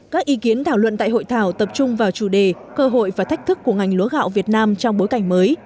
các ý kiến thảo luận tại hội thảo tập trung vào chủ đề cơ hội và thách thức của ngành lúa gạo việt nam trong bối cảnh mới